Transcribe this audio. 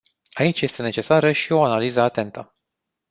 Aici este necesară și o analiză atentă.